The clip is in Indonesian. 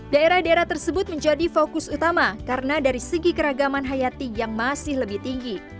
daerah daerah tersebut menjadi fokus utama karena dari segi keragaman hayati yang masih lebih tinggi